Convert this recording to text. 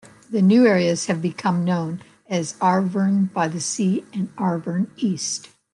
The new areas have become known as Arverne By the Sea and Arverne East.